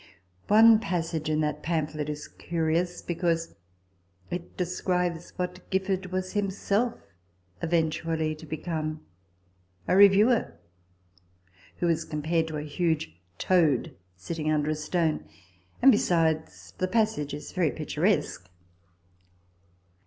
One passage in that pamphlet is curious, because it describes, what Gifford was himself eventually to become, a reviewer ; who is compared to a huge toad sitting under a stone : and besides, the passage is very picturesque.